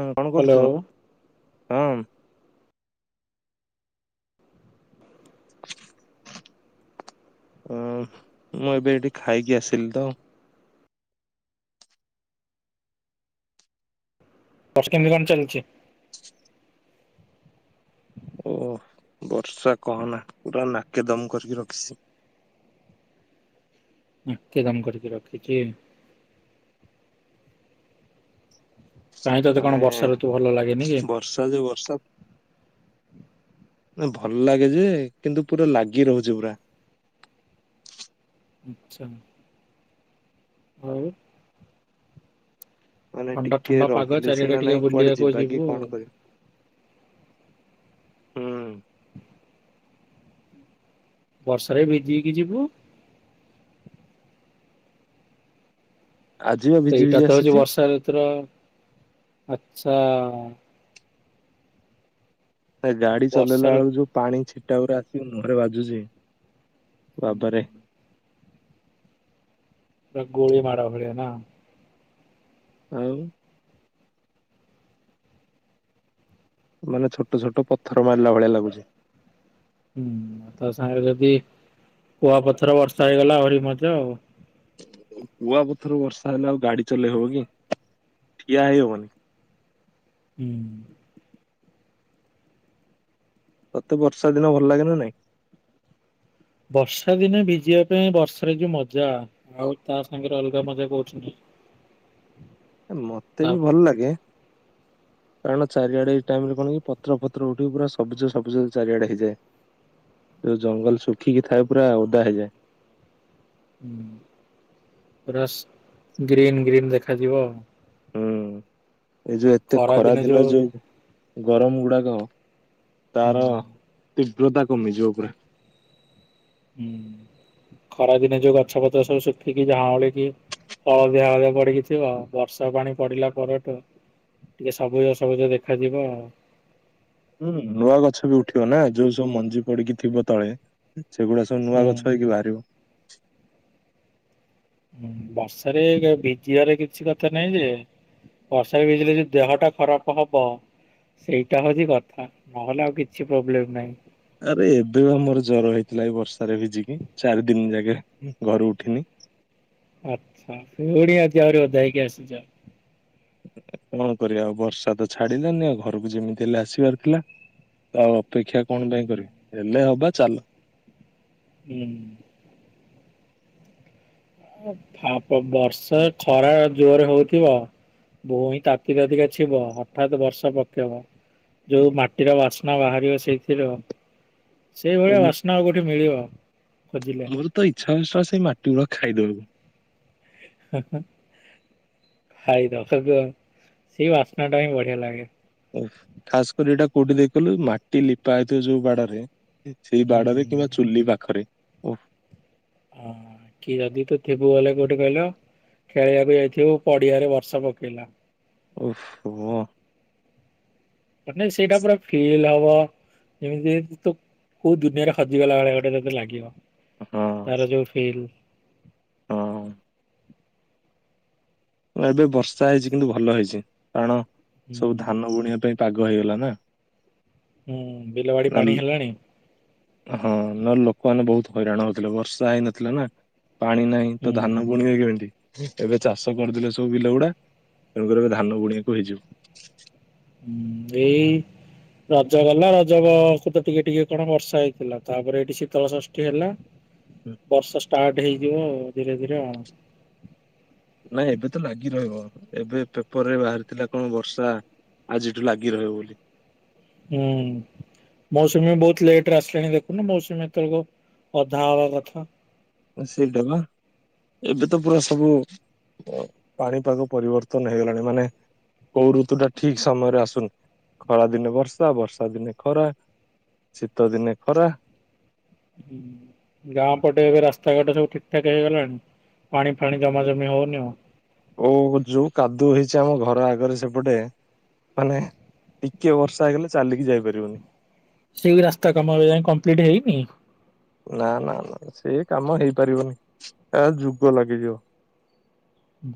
ହଁ କଣ କରୁଛ? ହ୍ୟାଲୋ ହଁ। [inaudible] ଅ ମୁଁ ଏବେ ଏଠି ଖାଇକି ଆସିଲି ତ। ହଷ୍ଟେଲ କେମିତି କଣ ଚାଲିଛି? ଓହ ବର୍ଷା କହନା କହନା ନା। [unintelligible] ନାକେ ଦାମ କରିକି ରଖିଛି। କାହିଁ ତତେ କଣ ମାନେ ବର୍ଷା ଋତୁ ଭଲ ଲାଗେନି କି? ବର୍ଷା ଯୋଉ ବର୍ଷା। ନା ଭଲ ଲାଗେ ଯେ କିନ୍ତୁ ପୁରା ଲାଗି ରହୁଛି ପୁରା। [inaudible] ଆଚ୍ଛା। ଆଉ। ମାନେ ଥଣ୍ଡା ଟିକେ ଥଣ୍ଡା ପାଗ ରହିଲେ ଚାରିଆଡେ ସିନା ଟିକେ ନାଇଁ କୁଆଡେ ବୁଲିବାକୁ ଯିବା ଯିବୁ କି ଆଉ। କଣ କରିବା। ହୁଁ। ବର୍ଷାରେ ଭିଜକି ଯିବୁ? ଆଜି ବା ଭିଜି ସେଇଟା ଭିଜି ତ ହଉଛି ଆସିଛି ବର୍ଷା ଋତୁ ର ଆଛା। ନା ଗାଡି ଚଲେଇଲା ବର୍ଷାଋ ବେଳକୁ ଯୋଉ ପାଣି ଛିଟା ଉପରେ ଆସିକି ମୁହଁରେ ବାଜୁଛି। ବାବା ରେ ପୁରା ଗୁଳି ମାଡ ଭଳିଆ ନା ଆଉ ମାନେ ଛୋଟ ଛୋଟ ପଥର ମାରିଲା ଭଳିଆ ଲାଗୁଛି ହୁଁ ତା ସାଙ୍ଗରେ ଯଦି କୁଆପଥର ବର୍ଷା ହେଇଗଲା ଆହୁରି ମଧ୍ୟ ଆଉ କୁଆ ପଥର ବର୍ଷା ହେଲେ ଆଉ ଗାଡି ଚଲେଇ ହବ କି ଠିଆ ହେଇ ହବନି ହୁଁ ତତେ ବର୍ଷା ଦିନ ଭଲ ଲାଗେ ନା ନାଇଁ? ବର୍ଷା ଦିନେ ଭିଜିବା ପାଇଁ ବର୍ଷାରେ ଯୋଉ ମଜା ଆଉ ତା ସାଙ୍ଗରେ ଅଲଗା ମଜା କହୁଛନ୍ତି ମତେ ବି ଭଲ ଲାଗେ କାରଣ- ଚାରିଆଡେ ଏଇ ଟାଇମ ରେ କଣ କି ପତ୍ର ଫତ୍ର ଉଠିକି ପୁରା ସବୁଜ ସବୁଜ ଚାରିଆଡେ ହେଇଯାଏ । ଯଉ ଜଙ୍ଗଲ ଶୁଖିକି ଥାଏ ପୁରା ଓଦା ହେଇଯାଏ । ଉଁ, ପୁରା ଗ୍ରୀନ୍ ଗ୍ରୀନ୍ ଦେଖାଯିବ । ହୁଁ, ଏ ଯୋଉ ଏତେ ଖରା ଦିନେ ଦିନ ଯୋଉ ହୁଁ ଗରମ ଗୁଡାକ ତାର ତୀବ୍ରତା କମିଯିବ ପୁରା ହୁଁ ଖରା ଦିନେ ଯୋଉ ଗଛ ପଛସବୁ ଶୁଖିକି କି ଝାଂଲି କି ହଳଦିଆ ହଳଦିଆ ପଡିକି ଥିବ ଆଉ ବର୍ଷା ପାଣି ପଡିଲା ପରେଠୁ ଟିକେ ସବୁଜ ସବୁଜ ଦେଖାଯିବ ଆଉ ହୁଁ ନୂଆ ଗଛ ବି ଉଠିବ ନା ଯୋଉ ସବୁ ମଞ୍ଜି ପଡିକି ଥିବ ତଳେ ସେଗୁଡା ସବୁ ନୂଆ ହୁଁ। ଗଛ ହେଇକି ବାହାରିବ । ହୁଁ ବର୍ଷାରେ ଭିଜିବାର କିଛି କଥା ନାହିଁ ଯେ ବର୍ଷା ଭିଜିଲେ ଯି ଦେହ ଟା ଖରାପ ହବ ସେଇଟା ହଉଛି କଥା, ନହେଲେ ଆଉ କିଛି ପ୍ରୋବ୍ଲେମ ନାହିଁ ଆରେ ଏବେ ଆମର ଜର ହେଇଥିଲା, ଏ ବର୍ଷାରେ ଭିଜିକି, ଚାରି ଦିନ ଯାକେ ଘରୁ ଉଠିନି ହ [inaudible] ଆଚ୍ଛା, ଫୁଣି ଆଜି ଆହୁରି ଓଦା ହେଇକି ଆସିଛ କଣ କରିବା ଆଉ ବର୍ଷା ତ ଛାଡିଲାନି, ଆଉ ଘରକୁ ଯେମିତି ହେଲେ ଆସିବାର ଥିଲା -ତ ଆଉ ଅପେକ୍ଷା ହୁଁ। କଣ ପାଇଁ କରିବି? ହେଲେ ହବ ଚାଲ ହୁଁ । ହେ ଫା ପବ ବର୍ଷା ଖରା । ଜୋରେ ହଉଥିବ ଭୁଇଁ ତାତି ତାତିକା ଥିବ ହଠାତ୍ ବର୍ଷା ପକେଇବ । ଯୋଉ ମାଟିର ବାସ୍ନା ବାହାରିବ ସେଇଥିରୁ । ସେଇଭଳିଆ ମୁଁ ବାସ୍ନା ଆଉ କୋଉଠି ମିଳିବ । ମୋର ତ ଇଚ୍ଛା ହୁଏ ଶଳା ସେଇ ମାଟି ଗୁଡା ଖାଇଦେବାକୁ । ହ ଖାଇ ଦବ କି ଆଉ ସେଇ ବାସ୍ନା ଟା ହି ବଢିଆ ଲାଗେ । ଓ ଖାସ କରି ଏଇଟା କୋଉଠି ଦେଖଲୁ ମାଟି ଲିପା ହେଇଥିବ ଯୋଉ ବାଡରେ । ସେଇ ହୁଁ। ବାଡରେ କିମ୍ବା ଚୁଲି ପାଖରେ ଓହ । ହଁ କି ଯଦି ତୁ ଥିବୁ ବଲେ କୋଉଟେ କହିଲୁ । ଖେଳିବାକୁ ଯାଇଥିବ ପଡିଆରେ ବର୍ଷା ପକେଇଲା । ଓହୋ । ମାନେ ସେଇଟା ପୁରା ଫିଲ୍ ହବ । ଯେମିତି ତୁ କୋଉ ଦୁନିଆରେ ହଜିଗଲା ଭଳିଆ ଗୋଟେ ତତେ ଲାଗିବ । ହଁ ତାର ଯୋଉ ଫିଲ୍ । ହଁ । ଏ ବର୍ଷା ହେଇଛି କିନ୍ତୁ ଭଲ ହେଇଛି କାରଣ ହୁଁ ସବୁ ଧାନ ବୁଣିବା ପାଇଁ । ପାଗ ହେଇଗଲା ନା । ହୁଁ ବିଲବାଡି ପାଣି ହେଲାଣି । ହଁ ନହେଲେ ଲୋକମାନେ ବହୁତ ହଇରାଣ ହଉଥିଲେ ବର୍ଷା ହେଇନଥିଲା ନା । ପାଣି ନାହିଁ ତ ହୁଁ। ଧାନ ବୁଣିବେ କେମତି? ଏବେ ଚାଷ କରିଦେଲେ ସବୁ ବିଲଗୁଡା । ତେଣୁକରି ଏବେ ଧାନ ବୁଣିବାକୁ ହେଇଯିବ । ହୁଁ ଏଇ । ରଜ ଗଲା ରଜ ବେଳକୁ ତ କଣ ଟିକେ ଟିକେ ବର୍ଷା ହେଇଥିଲା । ତାପରେ ଏଇଠି ଶୀତଳ ଷଷ୍ଠଟି ହେଲା। ବର୍ଷା ଷ୍ଟାର୍ଟ ହେଇଯିବ ଧୀରେ ଧୀରେ ଆଉ । ନାଇଁ ଏବେ ତ ଲାଗି ରହିବ ଏବେ ପେପର ରେ ବାହାରିଥିଲା କଣ ବର୍ଷା ଆଜିଠୁ ଲାଗି ରହିବ ବୋଲି । ହୁଁ । ମୌସୁମୀ ବହୁତ ଲେଟରେ ଆସିଲାଣି ଦେଖୁନ ମୌସୁମୀ ଏତେବେଳ ଅଧା ହବା କଥା। । ସେଇଟା ବା ଏବେ ତ ପୁରା ସବୁ । ପାଣିପାଗ ପରିବର୍ତ୍ତନ ହେଇଗଲାଣି ମାନେ । କଉ ଋତୁ ଟା ଠିକ ସମୟରେ ଆସୁନି। ଖରା ଦିନେ ବର୍ଷା ବର୍ଷା ଦିନେ ଖରା । ଶୀତ ଦିନେ ଖରା । ହୁଁ । ଗାଁ ପଟେ ଏବେ ରାସ୍ତାଘାଟ ସବୁ ଠିକ ଠାକ ହେଇଗଲାଣି । ପାଣି ଫାଣି ଜମା ଜମି ହଉନି ଆଉ? ଓ ଯୋଉ କାଦୁଅ ହେଇଛି ଆମ ଘର ଆଗରେ ସେପଟେ । ମାନେ ଟିକେ ବର୍ଷା ହେଇଗଲେ ଚାଲିକି ଯାଇପାରିବନି । ସେଇ ରାସ୍ତା କାମଏବେ ଯାକେ କମ୍ପ୍ଲିଟ ହେଇନି? ନା ନା ନା ସେ କାମ ହେଇପାରିବନି ଏ ଯୁଗ ଲାଗିଯିବ ।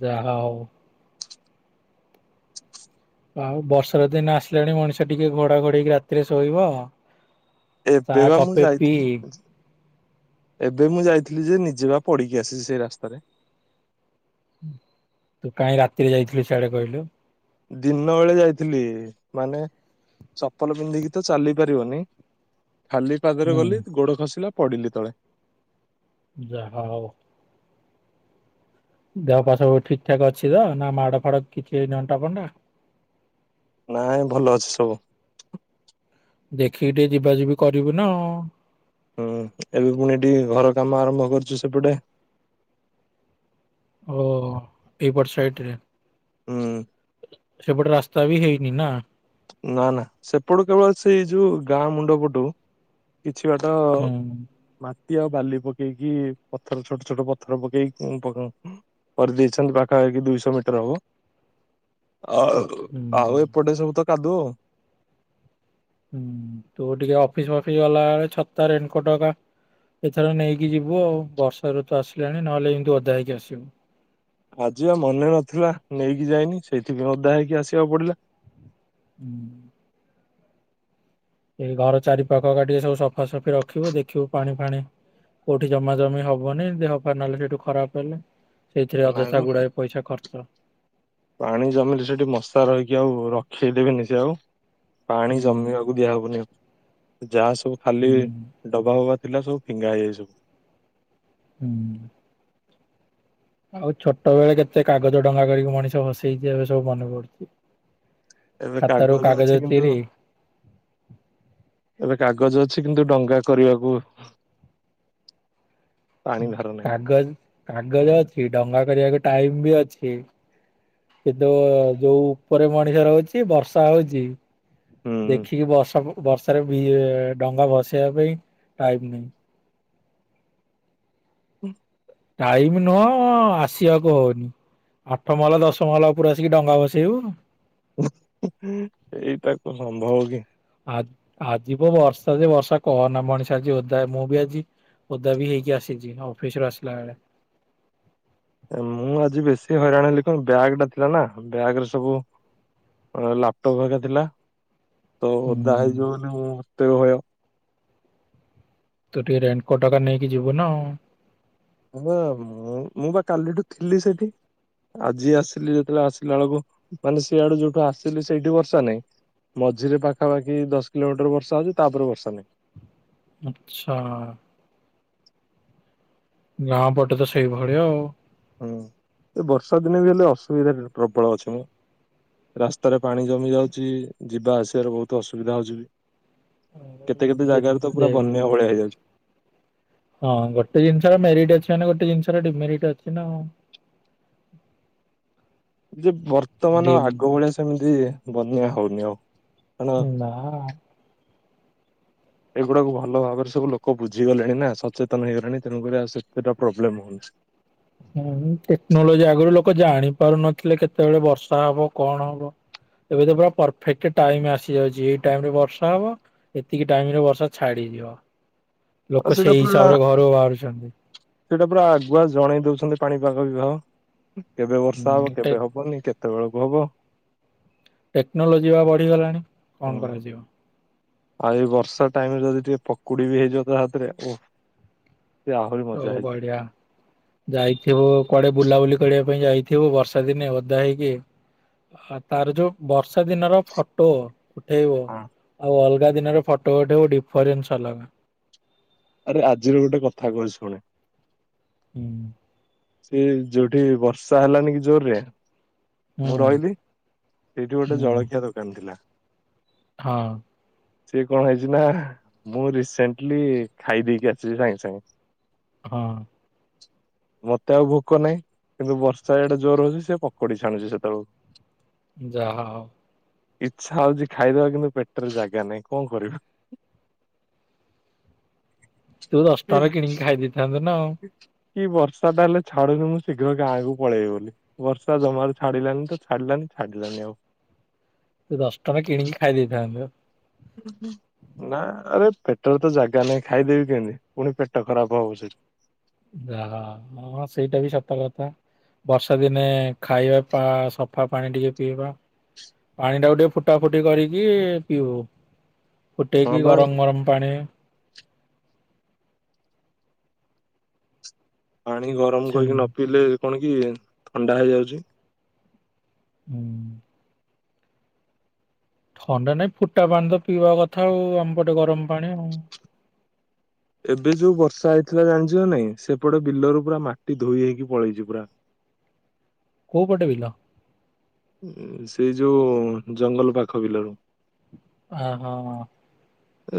ଯାହା ହଉ । ଆଉ ବର୍ଷର ଦିନ ଆସିଲାଣି ମଣିଷ ଟିକେ ଘୋଡା ଘୋଡକି ରାତିରେ ଶୋଇବ । ଏବେ ବା ମୁଁ ଯାଇଥିଲି । ଏବେ ମୁଁ ଯାଇଥିଲି ଯେ ନିଜେ ବା ପଡିକି ଆସିଛି ସେଇ ରାସ୍ତାରରେ । ତୁ କାହିଁ ରାତିରେ ଯାଇଥିଲୁ ସିଆଡେ କହିଲୁ? ଦିନ ବେଳେ ଯାଇଥିଲି ମାନେ । ଚପଲ ପିନ୍ଧିକି ତ ଚାଲି ପାରିବନି । ଖାଲି ପାଦରେ ହୁଁ। ଗଲି ଗୋଡ଼ ଖସିଲା ପଡ଼ିଲି ତଳେ। ଯାହା ହଉ । ଦେହ ପା ସବୁ ଠିକ ଠାକ ଅଛି ତ ନା ମାଡ ଫାଡ କିଛି ହେଇନି ଅଣ୍ଟା ଫଣ୍ଟା। ନାଇଁ ଭଲ ଅଛି ସବୁ । ଦେଖିକି ଟିକେ ଯିବା ଯିବି କରିବୁ ନା । ହୁଁ ଏବେ ପୁଣି ଏଠି ଘର କାମ ଆରମ୍ଭ କରୁଛୁ ସେପଟେ । ଓ ଏଇ ପଟ୍ ସାଇଟ ରେ? ହୁଁ। ସେପଟେ ରାସ୍ତା ବି ହେଇନି ନା? ନା ନା ସେପଟୁ କେବଳ ସେଇ ଯୋଉ ଗାଁ ମୁଣ୍ଡ ପଟୁ କିଛି ବାଟ ହୁଁ ତ ଆଉ ବାଲି ପକେଇକି ପଥର ଛୋଟ ଛୋଟ ପଥର ପକେଇକି ପଉ କରି ଦେଇେଇଛନ୍ତି, ପାଖାପାଖିଖି ଦୁଇଶହ ମିଟର ହବ। ଆ ହୁଁ ଆଉ ଏପଟେ ସବୁ ତ କାଦୁଅ। ହୁଁ, ତୁ ଟିକେ ଅଫିସ ଫଫିସ୍ ଗଲା ବେଳେ ଛତା ରେନକୋଟ ହେକା ଏଥର ନେଇକି ଯିବୁ ଆଉ, ବର୍ଷ ଋତୁ ଆସିଲାଣି ନହେଲେ ଏମିତି ଉଦା ହେଇକି ଆସିବୁ। ଆଜି ବା ମନେ ନଥିଲା ନେଇକି ଯାଇନି ସେଇଥିପାଇଁ ଉଦା ହେଇକି ଆସିବାକୁ ପଡିଲା। ହୁଁ। ଏ ଘର ଚାରି ପାଖ କା ଟିକେ ସବୁ ସଫାସଫି ରଖିବୁ ଦେଖିବୁ ପାଣି ଫାଣି କୋଉଠି ଜମା ଜମି ହବନି ଦେହ ପାର ନହେଲେ ସେଇଠୁ ଖରାପ ହେଲେ। ସେଇଥିରେ ଅଯଥା ନାଇଁମ ଗୁଡାଏ ପଇସା ଖର୍ଚ୍ଚ ପାଣି ଜମିିଲ ସେଠି ମଶା ରହିକି ଆଉ ରଖ ରଖେଇ ଦେବେନି ସେ ଆଉ ପାଣି ହୁଁ। ଜମିବାକୁ ଦିଆହବନି ଆଉ। ଯାହା ସବୁ ଖାଲି ହୁଁ ଡବା ହବା ଥିଲା ସବୁ ଫିଙ୍ଗା ହେଇଯାଇଚି। ହୁଁ। ଆଉ ଛୋଟ ବେଳେ କେତେ କାଗଜ ଡଙ୍ଗା କରିକି ମଣିଷ ଭସେଇଛି, ଏବେ ସବୁ ମନେ ପଡୁଛି। ଏବେ ଖାତାରୁ କାଗଜ ଅଛି କିନ୍ତୁ ଚିରି ଏବେ କା କାଗଜ ଅଛି କିନ୍ତୁ ଡଙ୍ଗା କରିବାକୁ ପାଣି ଧାର ନାହିଁ। କାଗଜ କାଗଜ ଅଛି ଡଙ୍ଗା କରିବାକୁ ଟାଇମ୍ ବି ଅଛି । କିନ୍ତୁ ଯୋଉ ଉପରେ ମଣିଷ ରହୁଚି ବର୍ଷା ହଉଚି । ହୁଁ। ଦେଖିକି ବସ । ବର୍ଷାରେ ଭି ଏ ଡଙ୍ଗା ଭସେଇବା ପାଇଁ ଟାଇମ୍ ନାହିଁ । ହୁଁ। ଟାଇମ ନୁହଁ ଆସିବାକୁ ହଉନି । ଆଠ ମହଲା ଦଶ ମହଲା ଉପରେ ଆସିକି ଡଙ୍ଗା ଭସେଇବୁ? [inaudible] ଏଇଟା କୋଉ ସମ୍ଭବ କି? ଆ-ଆଜିିବ ବର୍ଷା ଯେ ବର୍ଷା କହନା ମଣିଷ ଆଜି ଓଦା ମୁଁ ବି ଆଜି ଓଦାବି ହେଇ କି ଅସିଚି ଅଫିସରୁ ଆସିଲା ବେଳେ । ମୁଁ ଆଜି ବେଶୀ ହଇରାଣ ହେଲି କଣ ବ୍ୟାଗ୍ ଟା ଥିଲା ନା ବ୍ୟାଗ ରେ ସବୁ ଅ ଲାପଟପ୍ ହେକା ଥିଲା ତ ହୁଁ ଓଦା ହେଇଯିବ ବୋଲି ମତେ ଭୟ। ତୁ ଟିକେ ରେନିକୋଟ ଟା ନେଇକି ଯିବୁ ନା ଆଉ। ହଁ ମୁଁ ମୁଁ ବା କାଲିଠୁ ଥିଲି ସେଠି। ଆଜି ଆସିଲି ଯେତେବେଳେ ଆସିଲା ବେଳକୁ ମାନେ ସିଆଡୁ ଯୋଉଠୁ ଆସିଲି ସେଇଠି ବର୍ଷା ନାହିଁ। ମଝିରେ ପାଖାପାଖି ଦଶ କିଲୋମିଟର ବର୍ଷା ହଉଚି ତାପରେ ବର୍ଷା ନାହିଁ । ଆଛା। ଗାଁ ପଟେ ତ ସେଇଭଳିଆ ଆଉ । ହଁ ଏ ବର୍ଷା ଦିନେ ବି ହେଲେ ଅସୁବିଧା ପ୍ରବଳ ଅଛି ମ। ରାସ୍ତାରେ ପାଣି ଜମି ଯାଉଚି ଯିବା ଆସିବାରେ ବହୁତ ଅସୁବିଧା ହଉଚି ବି । କେତେ କେତେ ଯେ ଜାଗାରୁ ତ ଯେ ପୁରା ବନ୍ୟା ଭଳିଆ ହେଇଯାଉଚି । ହଁ ଗୋଟେ ଜିନିଷର ମେରିଡ ଅଛି ମାନେ ଗୋଟେ ଜିନିଷର ଡିମେରିଟ ଅଛି ନା ଆଉ। ଯେ ବର୍ତ୍ତମାନ ଡିମ୍ ଆଗ ଭଳିଆ ସେମିତି ବନ୍ୟା ହଉନି ଆଉ । ନା । ଏଗୁଡାକୁ ଭଲ ଭାବରେ ସବୁ ଲୋକ ବୁଝିଗଲେଣିନା, ସଚେତନ ହେଇଗଲେଣି, ତେଣୁକରି ଆଉ ସେତେଟା ପ୍ରୋବ୍ଲେମ ହଉନି। [unintelligible] ହୁଁ ଟେକ୍ନୋଲୋଜି ଆଗରୁ ଲୋକ ଜାଣି ପାରୁନଥିଲେ କେତେବେଳେ ବର୍ଷା ହବ କଣ ହବ ଏବେ ତ ପୁରା ପରଫେକ୍ଟ ଟାଇମ ଆସିଯାଉଚି ଏଇ ଟାଇମ ରେ ବର୍ଷା ହବ ଏତିକି ଟାଇମ ରେ ବର୍ଷା ଛାଡି ଇଅ ଆଉ ସେଇଟା ପୁରା ସେଇଟା ପୁରା ଆଗୁଆ ଜଣେଇ ଦଉଛନ୍ତି। ପାଣିପାଗ ବିିବାହ କେବେ ବର୍ଷା ହବ? ହୁଁ ଟେ କେବେ ହବନି? କେତେ ବଳକୁ ହବ? ଟେକ୍ନୋଲୋଜି ବା ବଢିଗଲାଣି କଣ ହୁଁ କରାଯିବ? ଆଉ ଏଇ ବର୍ଷା ଟାଇମରେ ଯଦି ଟିକେ ପକୁଡି ବି ହେଇଯିବ ତା ହାତରେ ଓ ହଉ ବଢିଆ ଯାଇଥିବୁ କୁଆଡେ ବୁଲାବୁଲି କଡିଆ ପାଇଁ ଯାଇଥିବୁ ବର୍ଷା ଦିନେ ଓଧା ହେଇକି । ହ ତାର ଯୋଉ ବର୍ଷା ଦିନର ଫଟୋ ଉଠେଇବ ହଁ। ଆଉ ଅଲଗା ଦିନରେ ଫଟୋ ଉଠେଇବ ଡିଫରେନ୍ସ ଅଲଗା । ଆରେ ଆଜିର ଗୋଟେ କଥା କହୁଚି ଶୁଣେ । ହୁଁ । ସେ ଯୋଉଠି ବର୍ଷା ହେଲାନି କି ଜୋରରେ ହୁଁ ମୁଁ ରହିଲି ସେଇଠୁ ଗୋଟେ ହୁଁ ଜଳଖିଆ ଦୋକାନ ଥିଲା । ହଁ । ସିଏ କଣ ହେଇଚି ନା ମୁଁ ରିସେଣ୍ଟଲି ଖାଇ ଦେଇକି ଆସିଚି ସାଙ୍ଗେ ସାଙ୍ଗେ। ହଁ । ମତେ ଆଉ ଭୋକ ନାହିଁ କିନ୍ତୁ ବର୍ଷା ଏଡେ ଜୋର ହଉଚି ସିଏ ପକୁଡି ଛାଣୁଚି ସେତବେଳକୁ । ଯାହା ଇଚ୍ଛା ହଉଛି ଖାଇଦେବା କିନ୍ତୁ ପେଟରେ ଜାଗା ନାହିଁ କଣ କରିବା। [inaudible] ତୁ ଦଶ ଟଙ୍କାରେ କିଣିକି ଖାଇ ଦେଇଥାଆନ୍ତୁ ନା ଆଉ। କି ବର୍ଷ ବର୍ଷାଟା ହେଲେ ଛାଡୁନି, ମୁଁ ଶୀଘ୍ର ଗାଁକୁ ପଳେଇବି ବୋଲି, ବର୍ଷା ଜମାରୁ ଛାଡ଼ିଲାନି ତ ଛାଡ଼ିଲାନି ଛାଡ଼ିଲାନି ଆଉ। [inaudible] ଦଶ ଟଙ୍କା କିଣିକି ଖାଇ ଦେଇଥାଆନ୍ତୁ। ନା ଆରେ ପେଟରେ ତ ଜାଗା ନାହିଁ ଖାଇଦେବି କେମିତି ପୁଣି ପେଟ ଖରାପ ହବ ସେଠି। [inaudible] ଯା ହଁ ହଁ ସେଇଟା ବି ସତ କଥା। ବର୍ଷା ଦିନେ ଖାଇବା ବା ସଫା ପାଣି ଟିକେ ପିଇବା। ପାଣି ଟାକୁ ଟିକେ ଫୁଟା ଫୁଟି କରିକି ପିଉ। ହଁ ଫୁଟେଇକି ବା ଗରମ ଗରମ ପାଣି ପାଣି ଗରମ ସେମ କରିକି ନପିଇଲେ କଣ କି ଥଣ୍ଡା ହେଇଯାଉଛି। ହୁଁ। ଥଣ୍ଡା ନାଇଁ ଫୁଟା ପାଣି ତ ପିଇବା କଥା ଆଉ ଉ ଆମପଟେ ଗରମ ପାଣି ଆଉ। ଏବେ ଯୋଉ ବର୍ଷା ହେଇଥିଲା ଜାଣିଛୁ ନା ନାଇଁ, ସେପଟେ ବିଲରୁ ପୁରା ମାଟି ଧୋଇ ହୋଇକି ପଳେଇଛି ପୁରା। [inaudible] କୋଉ ପଟେ ବିଲ। ସେଇ ଯୋଉ ଜଙ୍ଗଲ ପାଖ ବିଲରୁ। ହାଁ ହଁ।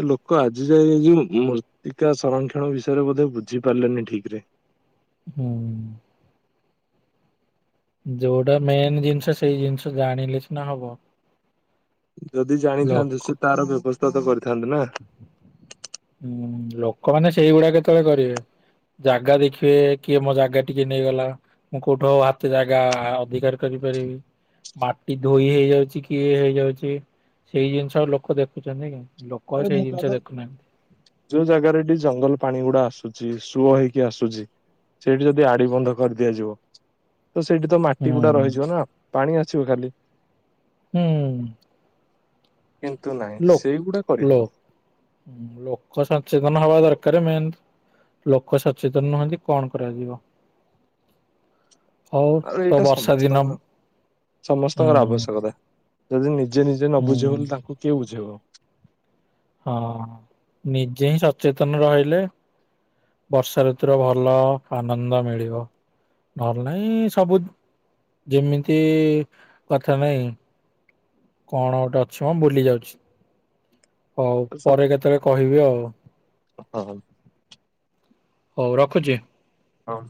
ଏ ଲୋକ ଆଜି ଯାଇଁ ମୃତ୍ତିକା ସଂରକ୍ଷଣ ବିଷୟରେ ବୋଧେ ବୁଝିପାରିଲେନି ଠିକ୍ ରେ। ହୁଁ। ଯୋଉଟା ମେନ୍ ଜିନିଷ ସେଇ ଜିନିଷ ଜାଣିଲେ ସିନା ହବ। ଯଦି ଲୋକ ଜାଣିଥାନ୍ତେ ସେ ତାର ବ୍ୟବସ୍ଥା ତ କରିଥାନ୍ତେ ନା। ହୁଁ ଲୋକମାନେ ସେଇଗୁଡା କେତେବେଳେ କରିବେ। ଜାଗା ଦେଖିବେ କିଏ ମୋ ଜାଗା ଟିକେ ନେଇଗଲା, ମୁଁ କୋଉଠୁ ଆଉ ହାତେ ଜାଗା ଅଧିକାର କରିବି। ପାରିବି ମାଟି ଧୋଇ ହୋଇଯାଉଛି କି ଇଏ ହୋଇଯାଉଛି ସେଇ ଜିନିଷ ଲୋକ ଦେଖୁଛନ୍ତି କି । ଲୋକ ଆରେ ସେଇ ମୁଁ ଜିନିଷ କହିବା କଥା ଦେଖୁନାହାନ୍ତି। ଯୋଉ ଜାଗାରେ ଏଠି ଜଙ୍ଗଲ ପାଣି ଗୁଡା ଆସୁଛି, ସୁଅ ହୋଇକି ଆସୁଛି। ସେଇଠି ଯଦି ଆଡି ବନ୍ଧ କରିଦିଆଯିବ ତ ସେଇଠି ତ ହୁଁ ମାଟି ଗୁଡା ରହିଯିବ ନା ପାଣି ଆସିବ ଖାଲି। ହୁଁ କିନ୍ତୁ ନାହିଁ ସେଇଗୁଡା ଲ କରିହବନି ଲୋକ ସଚେତନ ହବା ଦରକାର। ମେନ ଲୋକ ସଚେତନ ନୁହନ୍ତି କଣ କରାଯିବ। ହଉ ଆଉ ତ ଏଇଟା ବର୍ଷା ଦିନ ସମସ୍ତଙ୍କର ହୁଁ ସମସ୍ତଙ୍କର ଆବଶ୍ୟକତା। ଯଦି ନିଜେ ନିଜେ ନ ହୁଁ ବୁଝିବ ବୋଲେ ତାଙ୍କୁ କିଏ ବୁଝେଇବ। ହଁ ନିଜେ ହିଁ ସଚେତନ ରହିଲେ ବର୍ଷା ଋତୁର ଭଲ ଆନନ୍ଦ ମିଳିବ। ନହେଲେ ନାଇଁ ସବୁ ଯେମିତି କଥା ନାଇଁ କଣ ଗୋଟେ ଅଛିମ ଭୁଲି ଯାଉଛି। ହଉ ପରେ କେତେବେଳେ କହିବି ଆଉ ହଁ ହଉ ରଖୁଛି। ହଁ